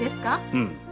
うん。